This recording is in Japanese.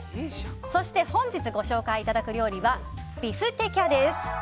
そして本日ご紹介いただく料理はビフテキャです。